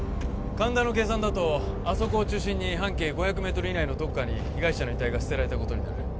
神田の計算だとあそこを中心に半径５００メートル以内のどこかに被害者の遺体が捨てられたことになる